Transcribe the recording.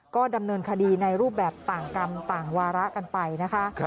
ก็ดำเนินคดีในรูปแบบต่างกรรมต่างวาระกันไปนะคะ